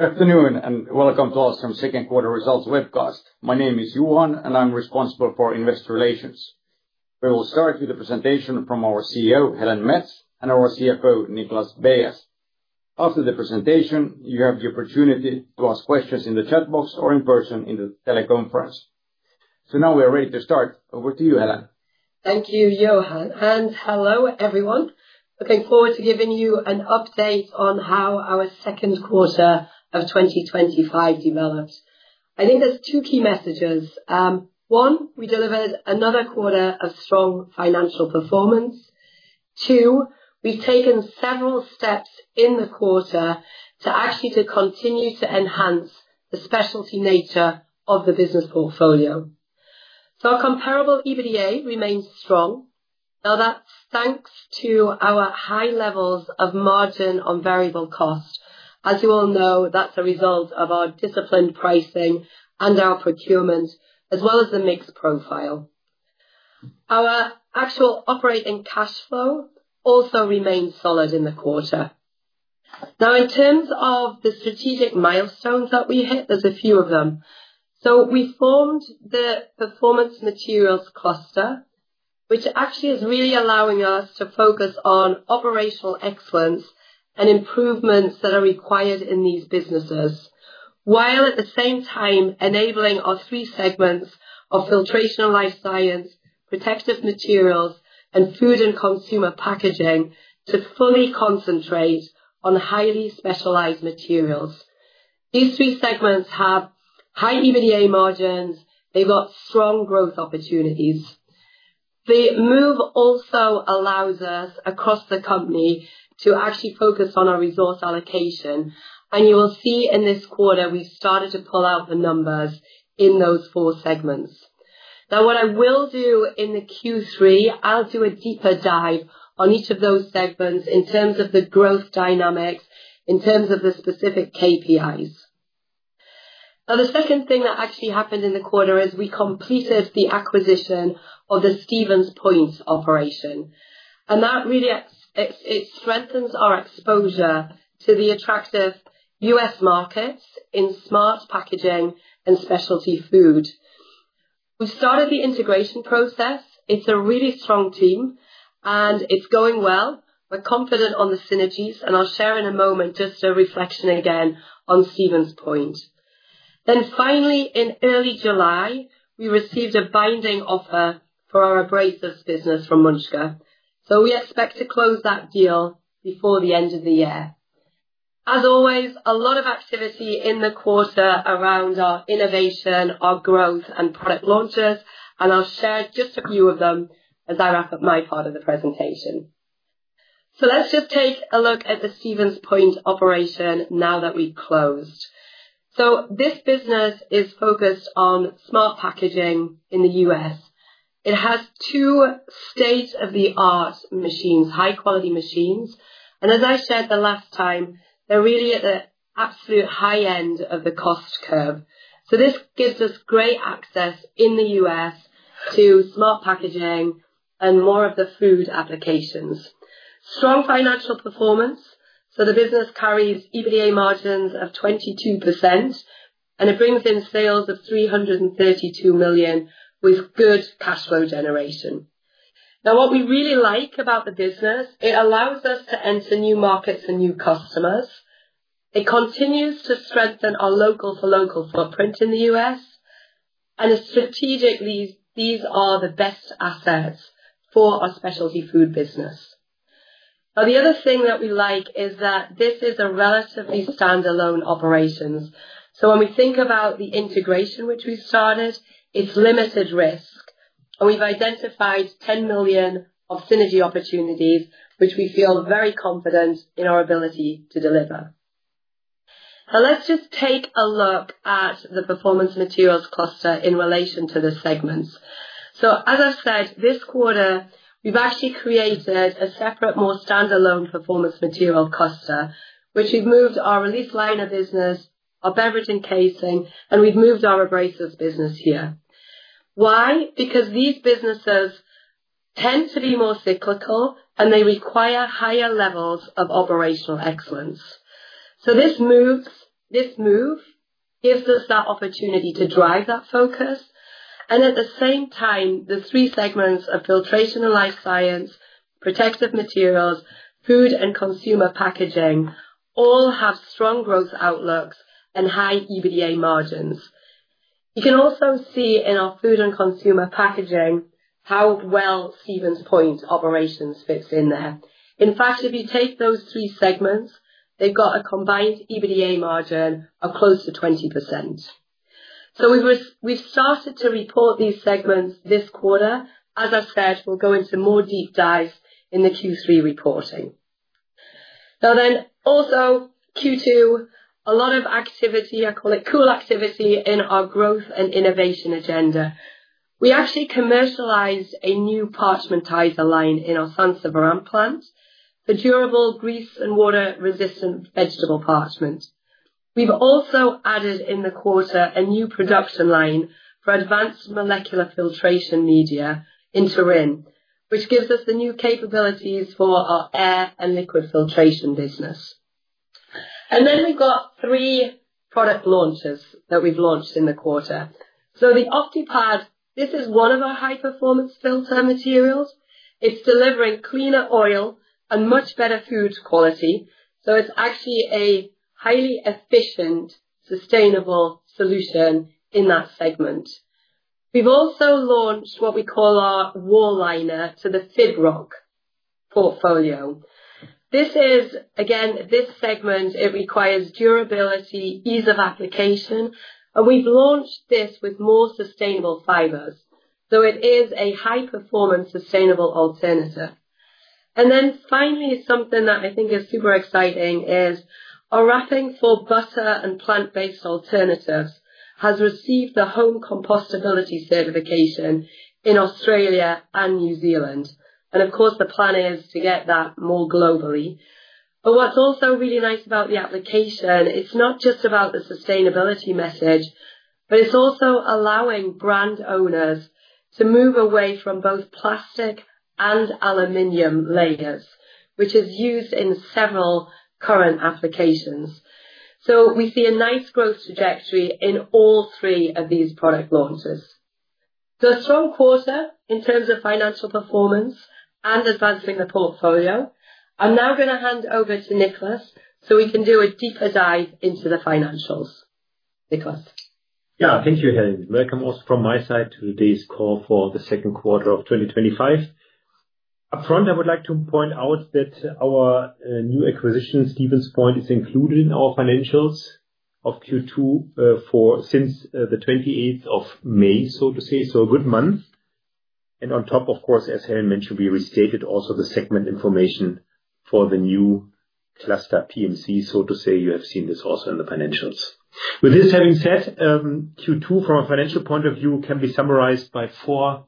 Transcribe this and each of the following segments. Afternoon and welcome to Ahlstrom second quarter Results webcast. My name is Johan Lindh and I'm responsible for Investor Relations. We will start with the presentation from our CEO, Helen Mets, and our CFO, Niklas Beyes. After the presentation, you have the opportunity to ask questions in the chat box or in person in the teleconference. Now we are ready to start over. To you, Helen. Thank you, Johan, and hello everyone. Looking forward to giving you an update on how our second quarter of 2025 developed. I think there's two key messages. One, we delivered another quarter of strong financial performance. Two, we've taken several steps in the quarter to actually continue to enhance the specialty nature of the business portfolio. Our comparable EBITDA remains strong. That's thanks to our high levels of margin on variable cost. As you all know, that's a result of our disciplined pricing and our procurement as well as the mix profile. Our actual operating cash flow also remained solid in the quarter. In terms of the strategic milestones that we hit, there's a few of them. We formed the Performance Materials cluster, which is really allowing us to focus on operational excellence and improvements that are required in these businesses, while at the same time enabling our three segments of Filtration & Life Science, Protective Materials, and Food & Consumer Packaging to fully concentrate on highly specialized materials. These three segments have high EBITDA margins, they've got strong growth opportunities. The move also allows us across the company to actually focus on our resource allocation. You will see in this quarter we started to pull out the numbers in those four segments. In Q3, I'll do a deeper dive on each of those segments in terms of the growth dynamics and the specific KPIs. The second thing that happened in the quarter is we completed the acquisition of the Stevens Point operation. That really strengthens our exposure to the attractive U.S. markets in smart packaging and specialty food. We started the integration process. It's a really strong team and it's going well. We're confident on the synergies and I'll share in a moment. Just a reflection again on Stevens Point. Finally, in early July, we received a binding offer for our abrasives business from Munksjö. We expect to close that deal before the end of the year. As always, a lot of activity in the quarter around our innovation, our growth, and product launches. I'll share just a few of them as I wrap up my part of the presentation. Let's just take a look at the Stevens Point operation now that we closed. This business is focused on smart packaging in the U.S. It has two state-of-the-art machines, high-quality machines, and as I shared the last time, they're really at the absolute high end of the cost curve. This gives us great access in the U.S. to smart packaging and more of the food applications, strong financial performance. The business carries EBITDA margins of 22% and it brings in sales of 332 million with good cash flow generation. What we really like about the business is it allows us to enter new markets and new customers. It continues to strengthen our local-for-local footprint in the U.S. and strategically these are the best assets for our specialty food business. The other thing that we like is that this is a relatively standalone operation. When we think about the integration which we started, it's limited risk and we've identified 10 million of synergy opportunities which we feel very confident in our ability to deliver. Let's just take a look at the Performance Materials cluster in relation to the segments. As I've said, this quarter we've actually created a separate, more standalone Performance Materials cluster which we've moved our release liners business, our beverage and casing, and we've moved our abrasives business here. These businesses tend to be more cyclical and they require higher levels of operational excellence. This move gives us that opportunity to drive that focus. At the same time, the three segments of Filtration & Life Science, Protective Materials, Food & Consumer Packaging all have strong growth outlooks and high EBITDA margins. You can also see in our Food & Consumer Packaging how well Stevens Point operations fits in there. In fact, if you take those three segments, they've got a combined EBITDA margin of close to 20%. We've started to report these segments this quarter. As I said, we'll go into more deep dives in the Q3 reporting. Now, also Q2, a lot of activity, I call it cool activity in our growth and innovation agenda. We actually commercialized a new parchmentizer line in our Sansepolcro plant for durable grease and water-resistant vegetable parchment. We've also added in the quarter a new production line for advanced molecular filtration media in Turin which gives us the new capabilities for our air and liquid filtration business. Then we've got three product launches that we've launched in the quarter. The Optipad, this is one of our high performance filter materials. It's delivering cleaner oil and much better food quality. It's actually a highly efficient, sustainable solution. In that segment we've also launched what we call our wall liner to the FibRoc portfolio. This is again this segment, it requires durability, ease of application, and we've launched this with more sustainable fibers. It is a high performance sustainable alternative. Finally, something that I think is super exciting is a wrapping for butter and plant based alternatives that has received the home-compostable certification in Australia and New Zealand, and of course the plan is to get that more globally. What's also really nice about the application, it's not just about the sustainability message, but it's also allowing brand owners to move away from both plastic and aluminum layers, which is used in several current applications. We see a nice growth trajectory in all three of these product launches. A strong quarter in terms of financial performance and advancing the portfolio. I'm now going to hand over to Niklas so we can do a deeper dive into the financials. Niklas. Yeah. Thank you, Helen. Welcome also from my side to today's call for the second quarter of 2025. Upfront, I would like to point out that our new acquisition Stevens Point is included in our financials of Q2 since May 28. So to say, a good month. Of course, as Helen mentioned, we restated also the segment information for the new cluster Performance Materials. You have seen this also in the financials. With this having been said, Q2 from a financial point of view can be summarized by four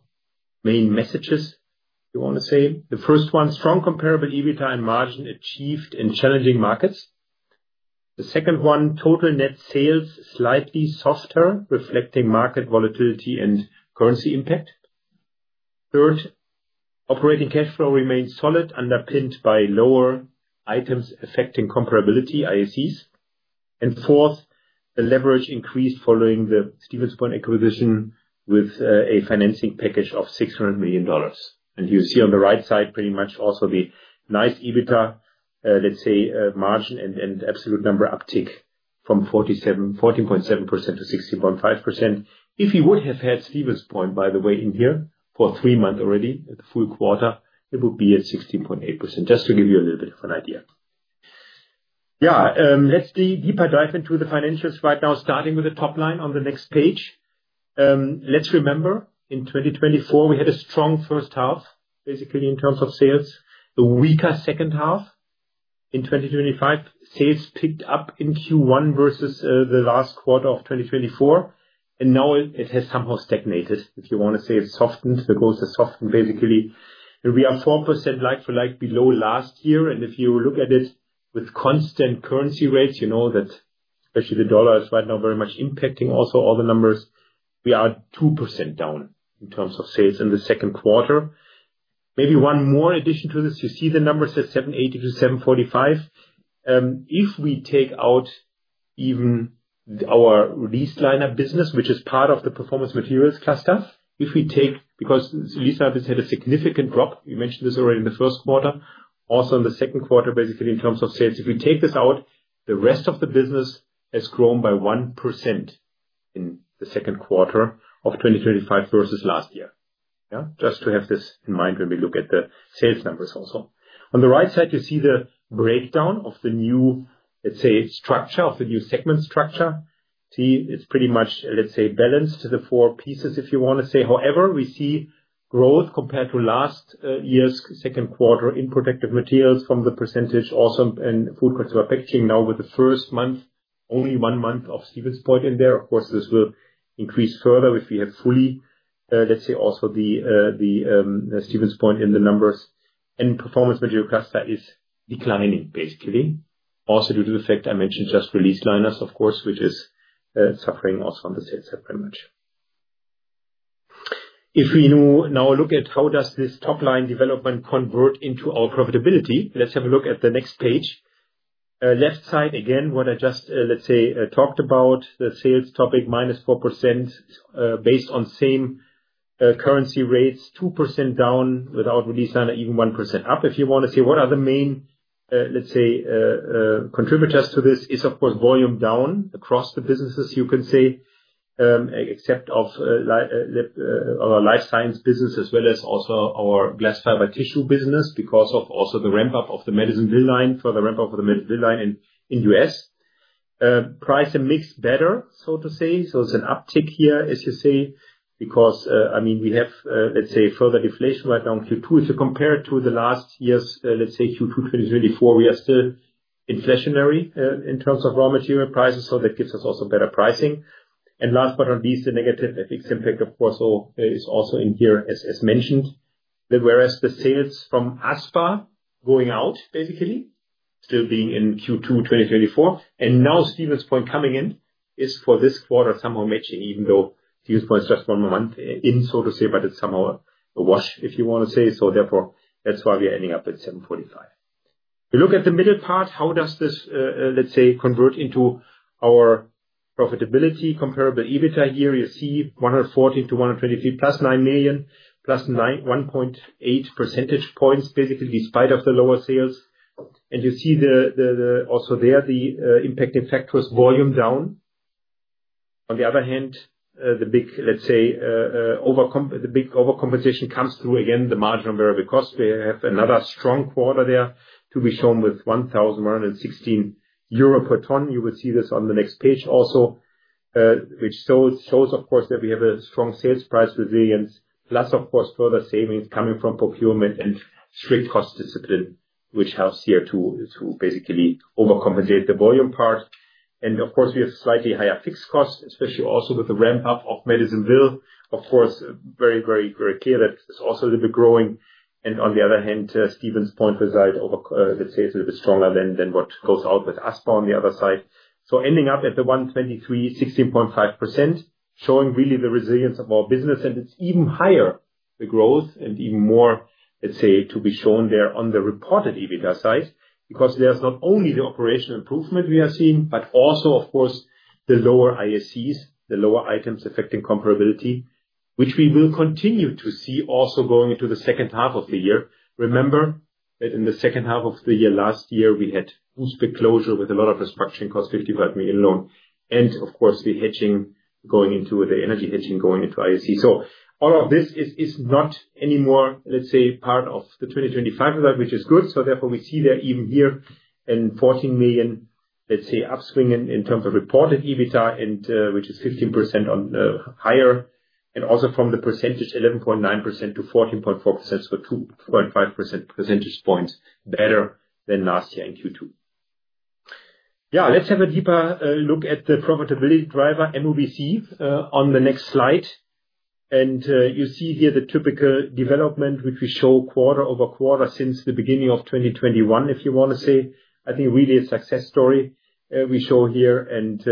main messages. The first one, strong comparable EBITDA and margin achieved in challenging markets. The second one, total net sales slightly softer reflecting market volatility and currency impact. Third, operating cash flow remains solid underpinned by lower items affecting comparability, IACs. Fourth, the leverage increased following the Stevens Point acquisition with a financing package of $600 million. You see on the right side pretty much also the nice EBITDA margin and absolute number uptick from 47 million, 14.7%-16.5%. If you would have had Stevens Point, by the way, in here for three months already, the full quarter, it would be at 16.8%, just to give you a little bit of an idea. Let's deeper dive into the financials right now, starting with the top line on the next page. Let's remember in 2024 we had a strong first half basically in terms of sales, a weaker second half. In 2025, sales picked up in Q1 versus the last quarter of 2024, and now it has somehow stagnated. If you want to say it softened, the growth has softened basically, and we are 4% like-for-like below last year. If you look at it with constant currency rates, you know that especially the dollar is right now very much impacting also all the numbers. We are 2% down in terms of sales in the second quarter. Maybe one more addition to this. You see the numbers at 780 million-745 million. If we take out even our release liner business, which is part of the Performance Materials cluster, because release liners had a significant drop—you mentioned this already in the first quarter—also in the second quarter basically in terms of sales. If we take this out, the rest of the business has grown by 1% in the second quarter of 2025 versus last year. Just to have this in mind when we look at the sales numbers. Also, on the right side, you see the breakdown of the new structure of the new segment structure. It's pretty much balanced to the four pieces, if you want to say. However, we see growth compared to last year's second quarter in Protective Materials from the percentage also in Food & Consumer Packaging. Now with the first month, only one month of Stevens Point in there. Of course, this will increase further if we have fully, let's say, also the Stevens Point in the numbers, and Performance Materials cluster is declining basically also due to the fact I mentioned just release liners, of course, which is suffering also on the sales side pretty much. If we now look at how does this top line development convert into our profitability, let's have a look at the next page left side. Again, what I just, let's say, talked about, the sales topic. -4% based on same currency rates, 2% down without release, on even 1% up. If you want to see what are the main, let's say, contributors to this, is of course volume down across the businesses. You can say except of our Life Science business as well as also our glass fiber tissue business because of also the ramp up of the medicine bill line for the ramp up of the medicine vill line and in U.S. price and mix better, so to say. It's an uptick here as you see because, I mean, we have, let's say, further deflation right now in Q2. Compared to the last year's, let's say, Q2 2024, we are still inflationary in terms of raw material prices. That gives us also better pricing. Last but not least, the negative FX impact, of course, is also in here as mentioned, whereas the sales from as far as going out basically still being in Q2 2024 and now Stevens Point coming in is for this quarter somehow matching, even though the use point is just one more month in, so to say. It's somehow a wash if you want to say, so therefore that's why we're ending up at 7.45. We look at the middle part. How does this, let's say, convert into our profitability? Comparable EBITDA here you see 114-123 + 9 million + 1.8 percentage points basically despite of the lower sales. You see also there the impact, in fact, was volume down. On the other hand, the big, let's say, the big overcompensation comes through again the margin of variable cost. We have another strong quarter there to be shown with 1,116 euro per tonne. You will see this on the next page also, which shows, of course, that we have a strong sales price resilience plus, of course, further savings coming from procurement and strict cost discipline, which helps here to basically overcompensate the volume part. Of course, we have slightly higher fixed costs, especially also with the ramp up of Medicineville. It is very, very, very clear that it's also a little bit growing. On the other hand, Stevens Point result, let's say, is a little bit stronger than what goes out with Aspar on the other side. Ending up at the 123, 16.5%, showing really the resilience of our business. It's even higher, the growth, and even more, let's say, to be shown there on the reported EBITDA size because there's not only the operational improvement we are seeing, but also, of course, the lower ISCs, the lower items affecting comparability, which we will continue to see also going into the second half of the year. Remember that in the second half of the year last year, we had closure with a lot of restructuring cost, 55 million loan, and of course, the hedging going into the energy hedging going into ISC. All of this is not anymore, let's say, part of the 2025 result, which is good. Therefore, we see that even here in 14 million, let's say, upswing in terms of reported EBITDA, which is 15% higher and also from the percentage 11.9%-14.4%. So, 2.5 percentage points better than last year in Q2. Let's have a deeper look at the profitability driver MOBC on the next slide. You see here the typical development which we show quarter-over-quarter since the beginning of 2021, if you want to say, I think really a success story we show here. Since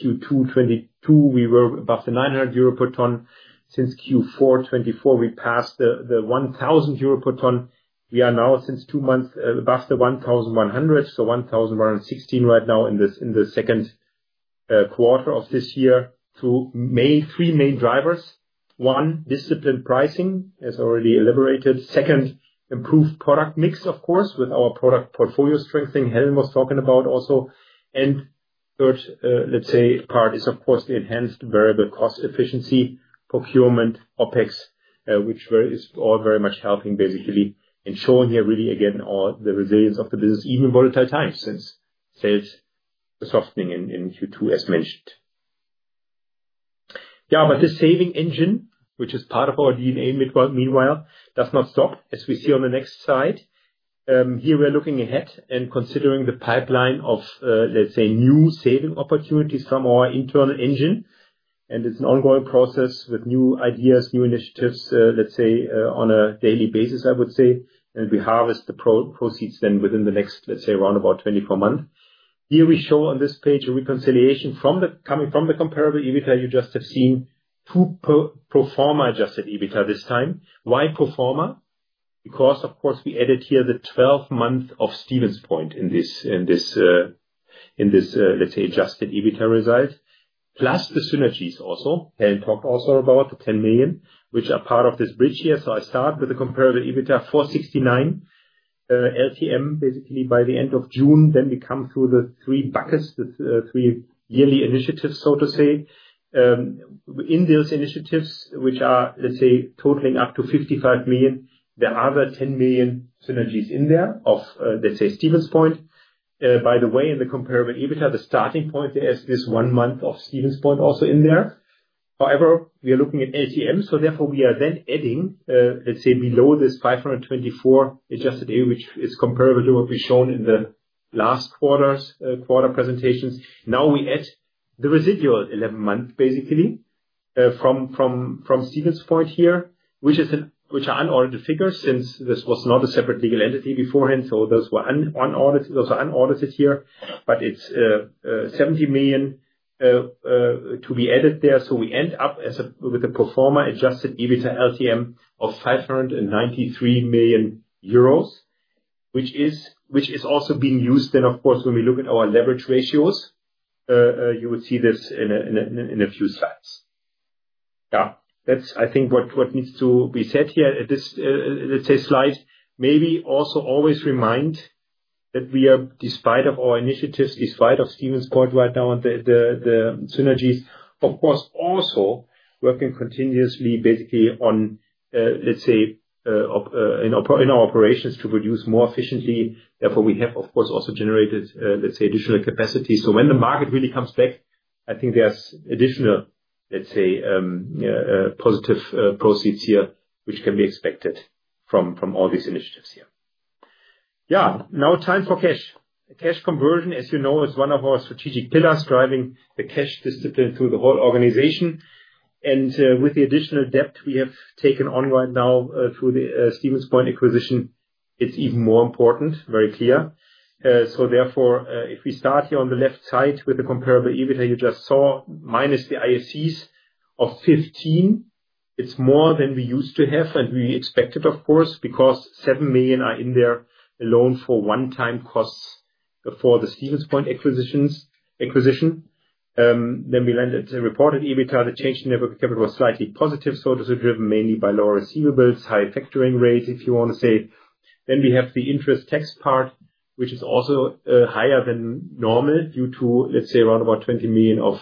Q2 2022, we were above the 900 euro per ton. Since Q4 2024, we passed the 1,000 euro per ton. We are now since two months above the 1,100. So, 1,116 right now in the second quarter of this year through three main drivers. One, disciplined pricing as already elaborated. Second, improved product mix, of course, with our product portfolio strengthening Helen was talking about also. Third, let's say, part is, of course, the enhanced variable cost efficiency, procurement or OpEx, which is all very much helping basically and showing here really again all the resilience of the business, even in volatile times since sales softening in Q2 as mentioned. The saving engine, which is part of our DNA meanwhile, does not stop as we see on the next slide. Here we're looking ahead and considering the pipeline of, let's say, new saving opportunities from our internal engine. It's an ongoing process with new ideas, new initiatives, let's say, on a daily basis, I would say, and we harvest the proceeds. Within the next, let's say, around about 24 months, here we show on this page a reconciliation coming from the comparable EBITDA. You just have seen two pro forma Adjusted EBITDA this time. Why pro forma? Because, of course, we added here the 12th month of Stevens Point in this, in this, let's say, Adjusted EBITDA result plus the synergies. Also, Helen talked also about the 10 million which are part of this bridge here. I start with the comparable EBITDA 469 LTM basically by the end of June. We come through the three buckets, the three yearly initiatives, so to say, in those initiatives which are, let's say, totaling up to 55 million, the other 10 million synergies in there of, let's say, Stevens Point. By the way, in the comparable EBITDA, the starting point there is this one month of Stevens Point also in there. However, we are looking at LTM. Therefore, we are then adding, let's say, below this, 524 adjusted A, which is comparable to what we've shown in the last quarter's presentations. Now we add the residual 11 months basically from Stevens Point here, which are unaudited figures since this was not a separate legal entity beforehand. Those are unaudited here, but it's 70 million to be added there. We end up with a pro forma Adjusted EBITDA LTM of 593 million euros, which is also being used. Of course, when we look at our leverage ratios, you will see this in a few slides. That's, I think, what needs to be said here at this, let's say, slide. Maybe also always remind that we are, despite our initiatives, despite Stevens Point right now and the synergies, of course, also working continuously basically in our operations to produce more efficiently. Therefore, we have, of course, also generated, let's say, additional capacity. When the market really comes back, I think there's additional, let's say, positive proceeds here, which can be expected from all these initiatives here. Yes, now time for cash. Cash conversion, as you know, is one of our strategic pillars driving the cash discipline through the whole organization. With the additional debt we have taken on right now through the Stevens Point acquisition, it's even more important. Very clear. Therefore, if we start here on the left side with the comparable EBITDA you just saw, minus the ISCs of 15 million, it's more than we used to have and we expected of course because 7 million are in there alone for one-time costs before the Stevens Point acquisition. We landed at reported EBITDA. The change in net working capital was slightly positive, driven mainly by lower receivables, high factoring rate if you want to say. The interest tax part is also higher than normal due to around about 20 million of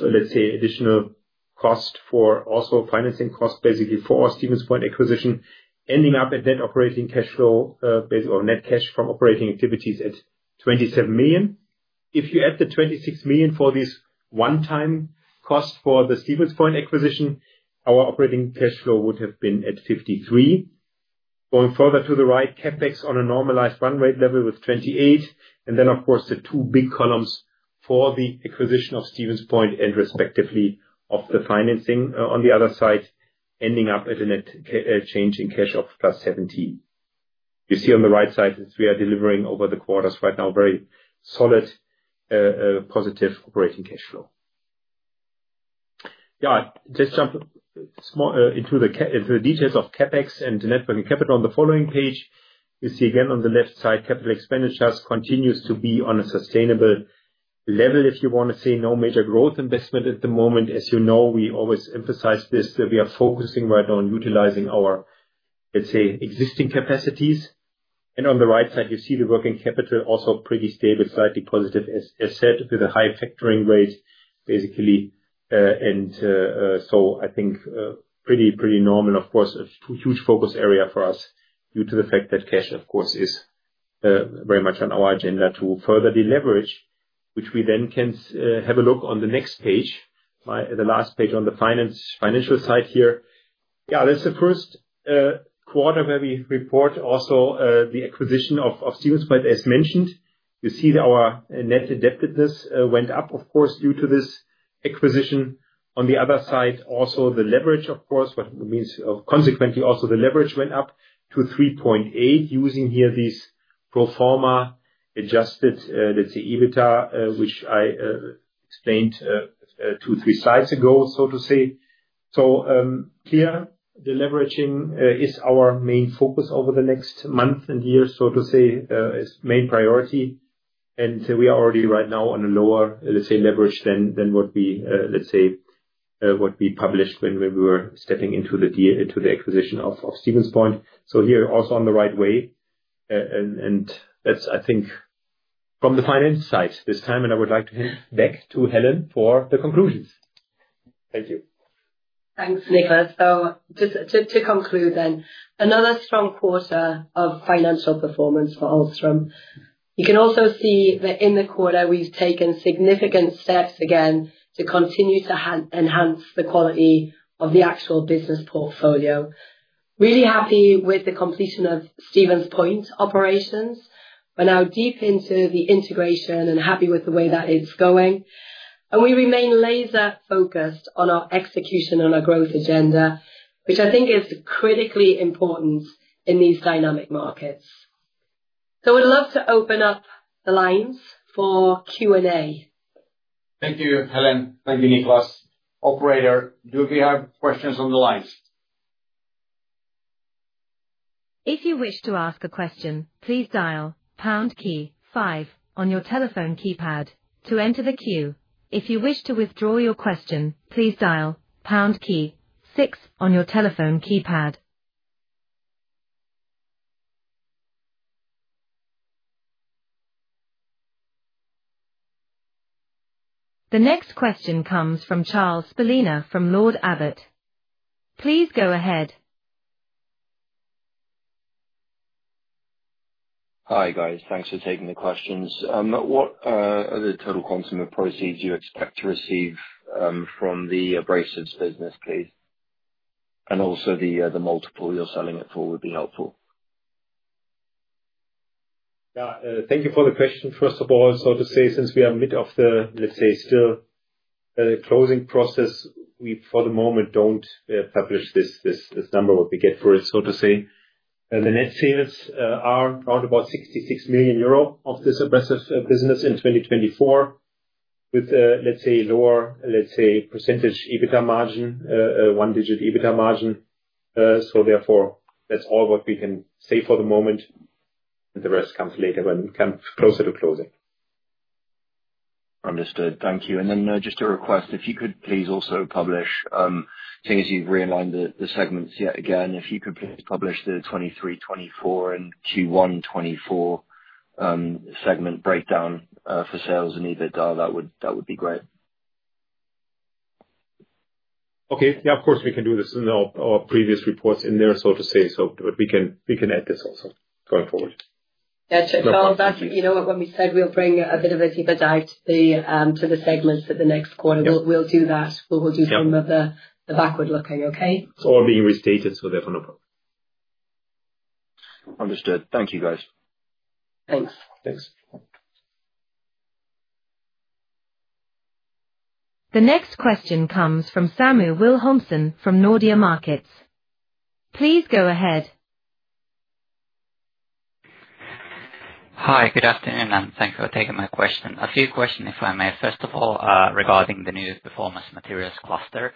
additional cost for financing cost basically for the Stevens Point acquisition, ending up at net operating cash flow based on net cash from operating activities at 27 million. If you add the 26 million for this one-time cost for the Stevens Point acquisition, our operating cash flow would have been at 53 million. Going further to the right, CapEx on a normalized run rate level was 28 million. The two big columns for the acquisition of Stevens Point and respectively of the financing on the other side ended up at a net change in cash of plus 17 million. You see on the right side we are delivering over the quarters right now, very solid positive operating cash flow. Jumping into the details of CapEx and net working capital on the following page, you see again on the left side capital expenditures continue to be on a sustainable level. No major growth investment at the moment, as you know we always emphasize this, that we are focusing right on utilizing our existing capacities. On the right side you see the working capital also pretty stable, slightly positive as said, with a high factoring rate basically. I think pretty normal, of course a huge focus area for us due to the fact that cash is very much on our agenda to further deleverage, which we then can have a look on the next page, the last page on the financial side here. That's the first quarter where we report also the acquisition of Stevens Point. As mentioned, you see that our net indebtedness went up of course due to this acquisition. On the other side also the leverage, consequently also the leverage went up to 3.8 using here these pro forma Adjusted EBITDA, which I explained two, three slides ago. Here deleveraging is our main focus over the next months and years, so to say is main priority. We are already right now on a lower, let's say, leverage than what we published when we were stepping into the acquisition of Stevens Point. Here also on the right way. I think from the finance side this time, I would like to hand back to Helen for the conclusions. Thank you. Thanks, Niklas. Just to conclude then, another strong quarter of financial performance for Ahlstrom. You can also see that in the quarter we've taken significant steps again to continue to enhance the quality of the actual business portfolio. Really happy with the completion of Stevens Point operations. We're now deep into the integration and happy with the way that it's going. We remain laser focused on our execution on our growth agenda, which I think is critically important in these dynamic markets. We'd love to open up the lines for Q&A. Thank you, Helen. Thank you, Niklas. Operator, do we have questions on the line? If you wish to ask a question, please dial on your telephone keypad to enter the queue. If you wish to withdraw your question, please dial six on your telephone keypad. The next question comes from Charles Spelina from Lord Abbett. Please go ahead. Hi guys. Thanks for taking the questions. What are the total consumer proceeds you expect to receive from the abrasives business, please? Also, the multiple you're selling it for would be helpful. Thank you for the question. First of all, since we are mid of the, let's say still closing process, we for the moment don't publish this number. What we get for it, the net sales are around about 66 million euro of this abrasives business in 2024 with lower, let's say, percentage EBITDA margin, one digit EBITDA margin. That's all what we can say for the moment. The rest comes later when it comes closer to closing. Understood, thank you. Just a request, if you could please also publish, seeing as you've realigned the segments yet again, if you could please publish the 2023, 2024 and Q1 2024 segment breakdown for sales and EBITDA. That would be great. Okay. Yeah, of course we can do this in our previous reports in there, so to say. We can add this also going forward. When we said we'll bring a bit of a deeper dive to the segments at the next quarter, we'll do that. We'll do some of the backward looking. Okay. It's all being restated, so therefore no problem. Understood. Thank you, guys. Thanks. The next question comes from Samu Wilhomsson from Nordea Markets. Please go ahead. Hi, good afternoon and thank you for taking my question. A few questions if I may. First of all, regarding the new Performance Materials cluster.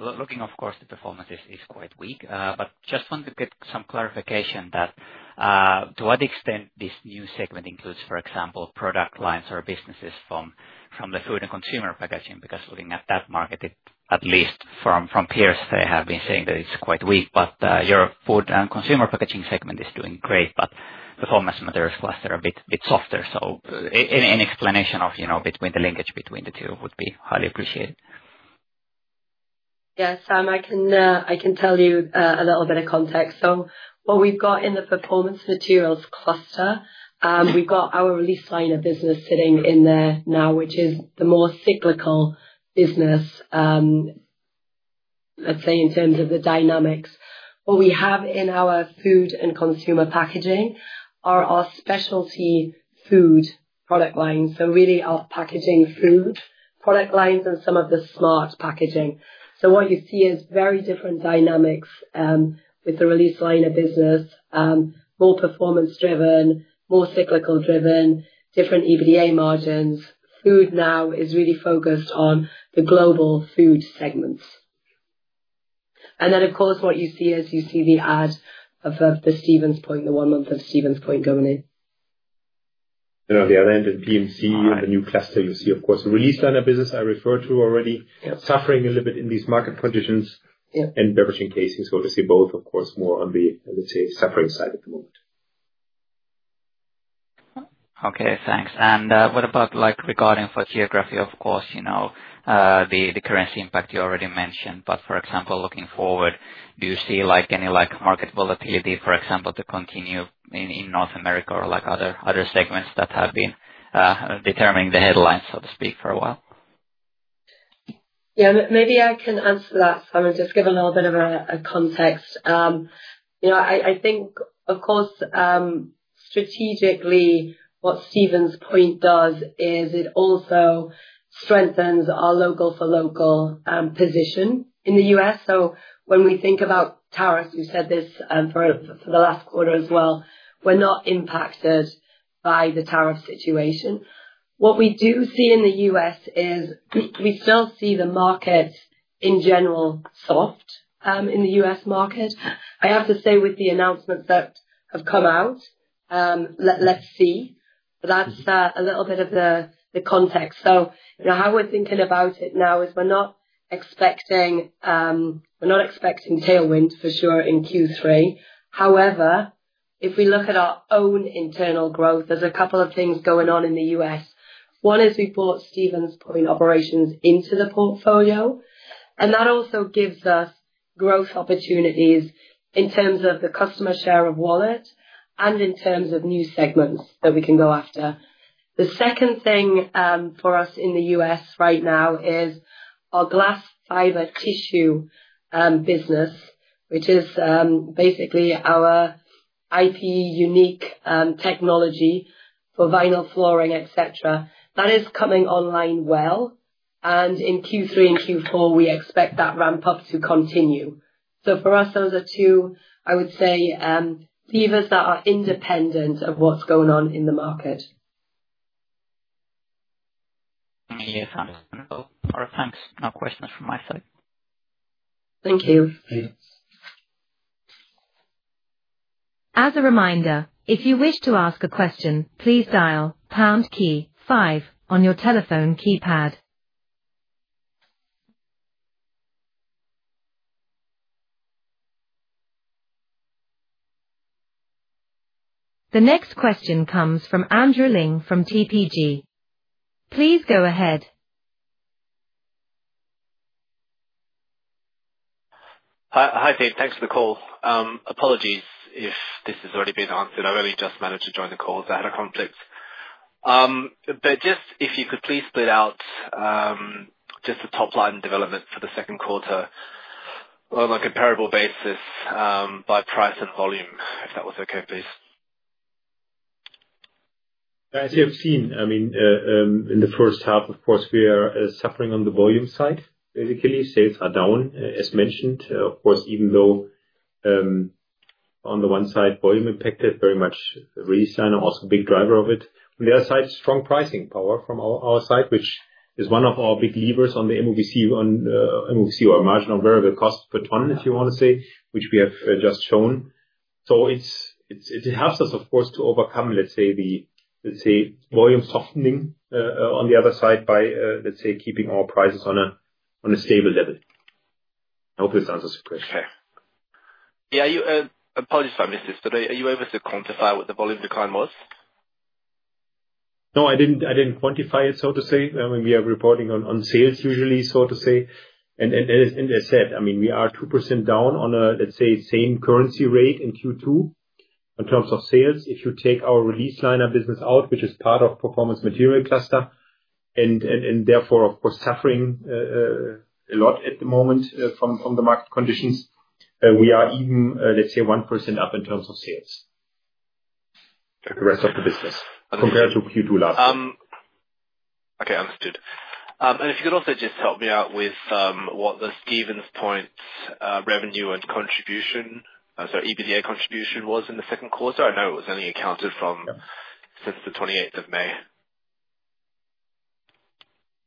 Looking, of course, the performance is quite weak, but just want to get some clarification to what extent this new segment includes, for example, product lines or businesses from the Food & Consumer Packaging. Because looking at that market, at least from peers, they have been saying that it's quite weak. Your Food & Consumer Packaging segment is doing great, but Performance Materials cluster a bit softer. An explanation of the linkage between the two would be highly appreciated. Yes, Sam, I can tell you a little bit of context. What we've got in the Performance Materials cluster, we've got our release liners business sitting in there now, which is the more cyclical business, let's say in terms of the dynamics. What we have in our Food & Consumer Packaging are our specialty food product lines, so really our packaging, food product lines, and some of the smart packaging. You see very different dynamics with the release liners business, more performance driven, more cyclical driven, different EBITDA margins. Food now is really focused on the global food segments. Of course, what you see is you see the add of the Stevens Point, the one month of Stevens. Point going in. and on the other end in PMC and the new cluster, you see, of course, the release liners business I referred to already suffering a little bit in these market conditions, and beverage and casing, obviously both, of course, more on the suffering side at the moment. Okay, thanks. What about regarding geography? Of course, you know, the currency impact you already mentioned. For example, looking forward, do you see any market volatility, for example, to continue in North America or other segments that have been determining the headlines, so to speak, for a while? Yeah, maybe I can answer that and just give a little bit of context. You know, I think of course strategically what Stevens Point does is it also strengthens our local for local position in the U.S. When we think about tariffs, we've said this for the last quarter as well, we're not impacted by the tariff situation. What we do see in the U.S. is we still see the market in general soft in the U.S. market. I have to say with the announcements that have come out, that's a little bit of the context. How we're thinking about it now is we're not expecting, we're not expecting tailwind for sure in Q3. However, if we look at our own internal growth, there's a couple of things going on in the U.S. One is we bought Stevens Point operations into the portfolio and that also gives us growth opportunities in terms of the customer share of wallet and in terms of new segments that we can go after. The second thing for us in the U.S. right now is our glass fiber tissue business, which is basically our IP unique technology for vinyl flooring, et cetera, that is coming online well and in Q3 and Q4 we expect that ramp up to continue. For us those are two, I would say, levers that are independent of what's going on in the market. Thanks. No questions from my side. Thank you. As a reminder, if you wish to ask a question, please dial pound key five on your telephone keypad. The next question comes from Andrew Ling from TPG. Please go ahead. Hi Dean, thanks for the call. Apologies if this has already been answered. I only just managed to join the call. I had a conflict. If you could please split out just the top line development for the second quarter on a comparable basis by price and volume, if that was okay. Please. As you have seen, in the first half of course we are suffering on the volume side. Basically, sales are down as mentioned, of course, even though on the one side volume impacted very much. Resign also a big driver of it. On the other side, strong pricing power from our side, which is one of our big levers on the MOBC, or marginal variable cost per ton if you want to say, which we have just shown. It helps us, of course, to overcome the volume softening on the other side by keeping our prices on a stable level. I hope this answers your question. Apologies if I missed this, but are you able to quantify what the volume decline was? No, I didn't quantify it, so to say. I mean, we are reporting on sales usually, so to say. As I said, we are 2% down on, let's say, same currency rate in Q2 in terms of sales. If you take our release liners business out, which is part of the Performance Materials cluster and therefore of course suffering a lot at the moment from the market conditions, we are even, let's say, 1% up in terms of sales, the rest of the business compared to Q2 last year. Okay, understood. If you could also just help me out with what the Stevens Point revenue and contribution, so EBITDA contribution, was in the second quarter. I know it was only accounted from since the 28th of May.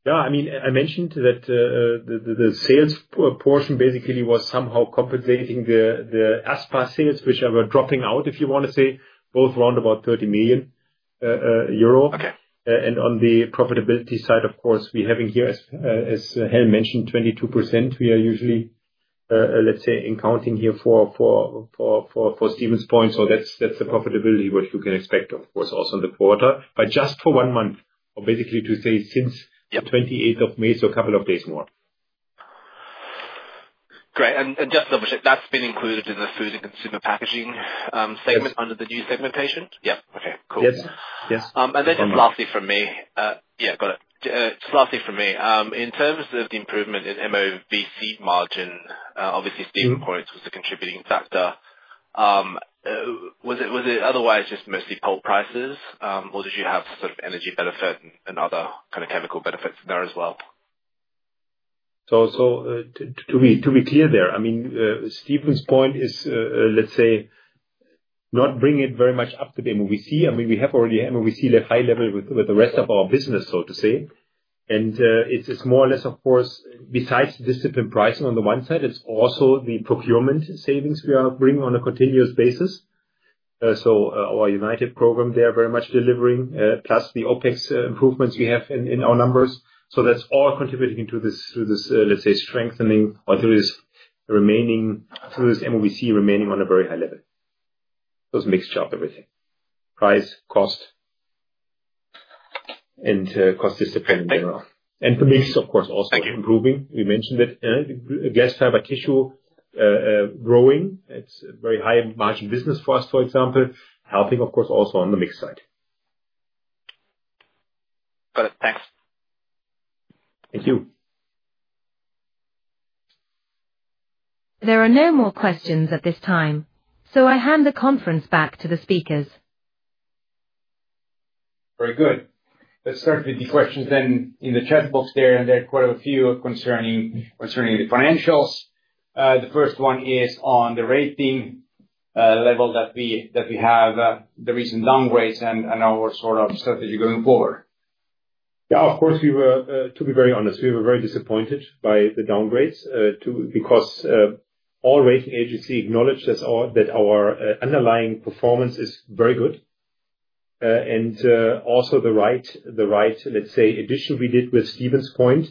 Yeah, I mean I mentioned that the sales portion basically was somehow compensating the ASPA sales which were dropping out, if you want to say both around about 30 million euro. On the profitability side, of course we have here, as Helen mentioned, 22% we are usually, let's say, encountering here for Stevens Point. That's the profitability you can expect, of course, also in the quarter, but just for one month or basically to say since the 28th of May, so a couple of days more. Great. Just double check that's been included in the Food & Consumer Packaging segment under the new segmentation. Yep. Okay, cool. Lastly from me. Got it. Just lastly from me, in terms of the improvement in MOV seed margin, obviously Stevens Point was a contributing factor. Was it otherwise just mostly pulp prices, or did you have sort of energy benefit and other kind of chemical benefits there as well? To be clear there, I mean Stevens Point is, let's say, not bringing it very much up to the MOVC. I mean, we have already MOVC high level with the rest of our business, so to say. It's more or less, of course, besides disciplined pricing on the one side, it's also the procurement savings we are bringing on a continuous basis. Our United program, they are very much delivering, plus the OpEx improvements we have in our numbers. That's all contributing to this, through this, let's say, strengthening or through this remaining MOVC remaining on a very high level. That mixture of everything, price, cost, and cost discipline in general, and the mix, of course, also improving. We mentioned that gas, fiber, tissue growing, it's a very high margin business for us, for example, helping, of course, also on the mix side. Got it. Thanks. Thank you. There are no more questions at this time, so I hand the conference back to the speakers. Very good. Let's start with the questions in the chat box. There are quite a few concerning the financials. The first one is on the rating level that we have, the recent downgrades, and our sort of strategy going forward. Yeah, of course we were, to be very honest, we were very disappointed by the downgrades because all rating agencies acknowledged that our underlying performance is very good. Also, the right addition we did with Stevens Point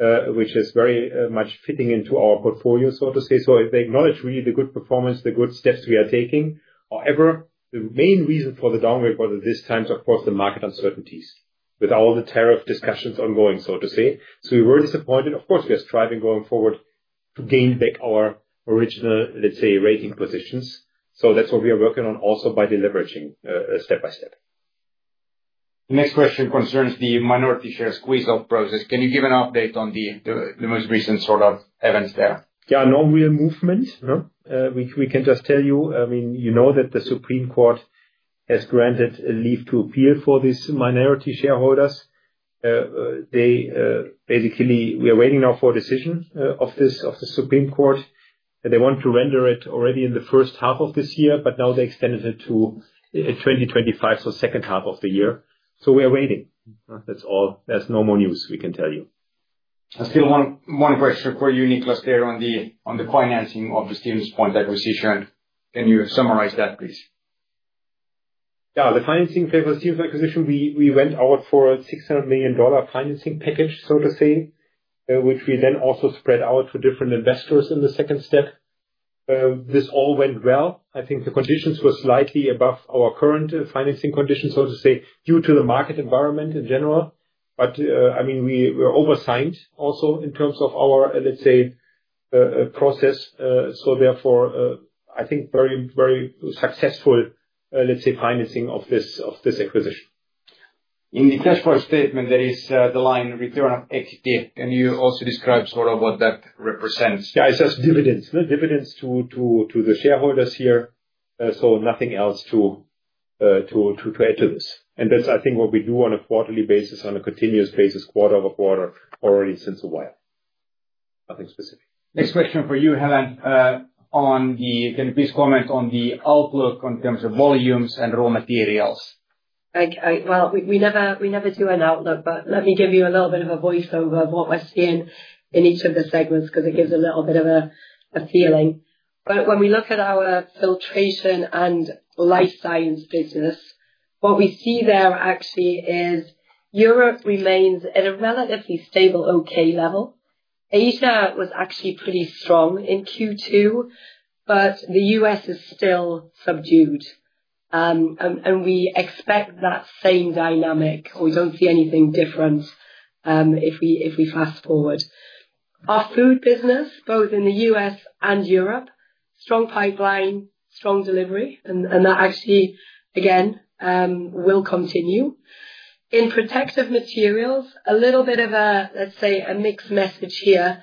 is very much fitting into our portfolio, so to say. They acknowledge really the good performance, the good steps we are taking. However, the main reason for the downgrade was at this time the market uncertainties with all the tariff discussions ongoing, so to say. We were disappointed. Of course, we are striving going forward to gain back our original rating positions. That's what we are working on also by deleveraging step by step. The next question concerns the minority share squeeze-off process. Can you give an update on the most recent sort of events there? Yeah, no real movement. We can just tell you, I mean you know that the Supreme Court has granted a leave to appeal for these minority shareholders. Basically, we are waiting now for a decision of the Supreme Court. They wanted to render it already in the first half of this year, but now they extended it to 2025, so second half of the year. We are waiting, that's all. There's no more news we can tell you. Still one question for you, Niklas, on the financing of the Stevens Point acquisition. Can you summarize that, please? Yeah, the financing paper acquisition, we went out for a EUR 600 million financing package, so to say, which we then also spread out for different investors in the second step. This all went well. I think the conditions were slightly above our current financing conditions, so to say, due to the market environment in general. I mean, we were oversigned also in terms of our, let's say, process. Therefore, I think very, very successful, let's say, financing of this acquisition. In the cash flow statement, there is the line return of equity. Can you also describe sort of what that represents? Yeah, it says dividends, dividends to the shareholders here. Nothing else to add to this, and that's what we do on a quarterly basis, on a continuous basis, quarter-over-quarter already since a while, nothing specific. Next question for you, Helen, can you please comment on the outlook in terms of volumes and raw materials? Okay, we never do an outlook, but let me give you a little bit of a voiceover of what we're seeing in each of the segments because it gives a little bit of a feeling. When we look at our Filtration & Life Science business, what we see there actually is Europe remains at a relatively stable, okay, level. Asia was actually pretty strong in Q2, but the U.S. is still subdued and we expect that same dynamic. We don't see anything different. If we fast forward our food business, both in the U.S. and Europe, strong pipeline, strong delivery and that actually again will continue in Protective Materials. A little bit of a, let's say a mixed message here.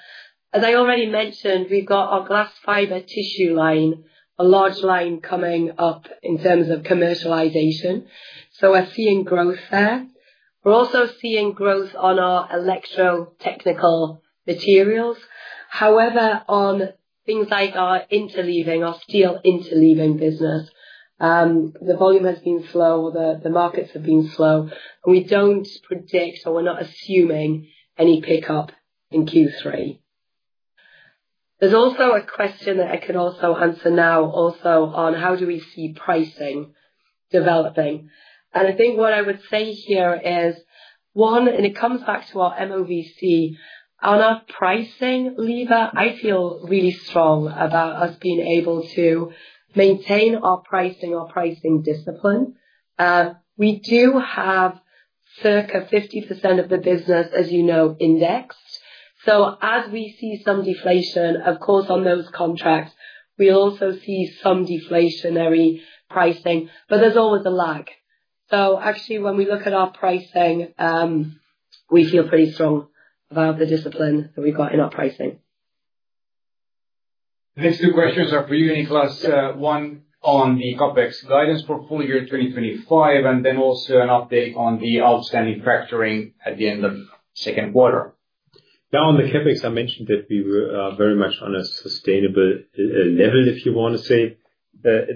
As I already mentioned, we've got our glass fiber tissue line, a large line coming up in terms of commercialization. We're seeing growth there. We're also seeing growth on our electro technical materials. However, on things like our interleaving, our steel interleaving business, the volume has been slow, the markets have been slow and we don't predict or we're not assuming any pickup in Q3. There's also a question that I could also answer now also on how do we see pricing developing? I think what I would say here is one, and it comes back to our move on our pricing lever. I feel really strong about us being able to maintain our pricing, our pricing discipline. We do have circa 50% of the business, as you know, indexed. As we see some deflation, of course on those contracts, we also see some deflationary pricing, but there's always a lag. When we look at our pricing, we feel pretty strong about the discipline that we've got in our pricing. Next two questions are for you, Niklas. One on the CapEx guidance for full year 2025, and then also an update on the outstanding factoring at the end of second quarter. Now on the CapEx, I mentioned that we were very much on a sustainable level, if you want to say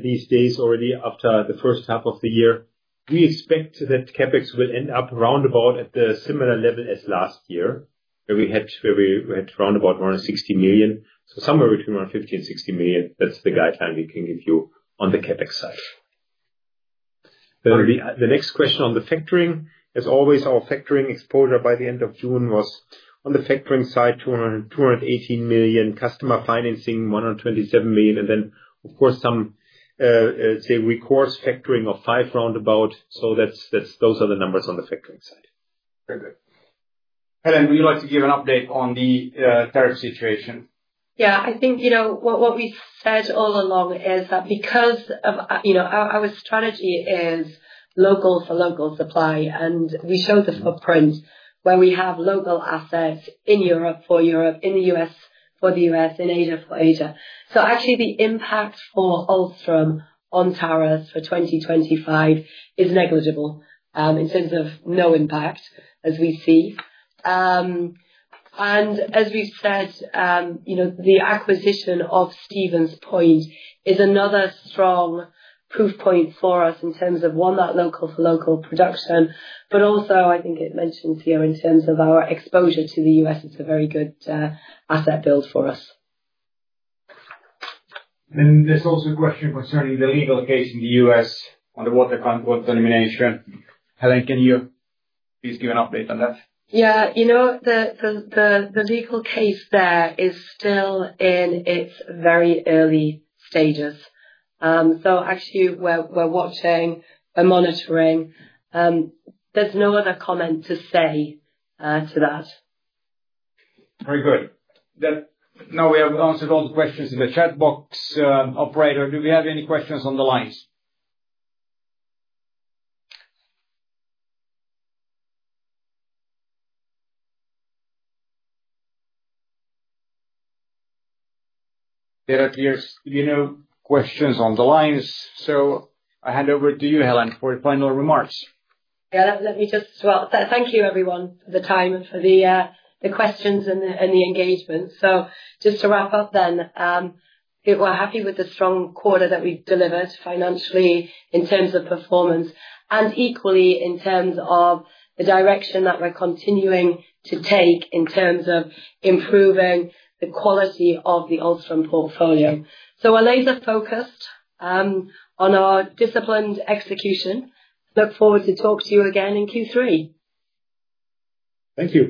these days already after the first half of the year. We expect that CapEx will end up roundabout at the similar level as last year where we had around 160 million. Somewhere between 150 million and 160 million. That's the guideline we can give you on the CapEx side. The next question on the factoring, as always, our factoring exposure by the end of June was on the factoring side, 218 million. Customer financing, 127 million. Of course, some say recourse factoring of around 5 million. Those are the numbers on the factoring sector. Very good. Helen, would you like to give an update on the tariff situation? Yeah, I think what we said all along is that because our strategy is local for local supply and we show the footprint where we have local assets in Europe for Europe, in the U.S. for the U.S., in Asia for Asia. Actually, the impact for Ahlstrom on tariffs for 2025 is negligible in terms of no impact, as we see. As we've said, the acquisition of Stevens Point is another strong proof point for us in terms of that local for local production. I think it mentions here in terms of our exposure to the U.S. It's a very good asset build for us. There is also a question concerning the. Legal case in the U.S. on the water elimination. Helen, can you please give an update on that? Yeah, you know, the legal case there is still in its very early stages. We're watching, we're monitoring. There's no other comment to say to that. Very good. Now, we have answered all the questions. In the chat box. Operator, do we have any questions on the lines? There appears to be no questions on the lines. I hand over to you, Helen, for final remarks. Thank you everyone for the time and for the questions and the engagements. Just to wrap up then, we're happy with the strong quarter that we've delivered financially in terms of performance and equally in terms of the direction that we're continuing to take in terms of improving the quality of the Ahlstrom portfolio. We're laser focused on our disciplined execution. Look forward to talk to you again in Q3. Thank you.